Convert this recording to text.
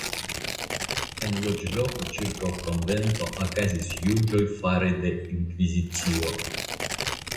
En loĝloko ĉirkaŭ konvento okazis juĝoj fare de la Inkvizicio.